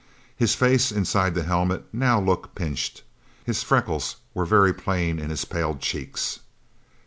His face, inside the helmet, now looked pinched. His freckles were very plain in his paled cheeks.